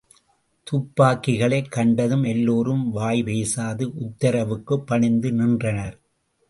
துப்பாக்கிகளைக் கண்டதும் எல்லோரும் வாய்பேசாது உத்தரவுக்குப் பணிந்து நின்றனர்.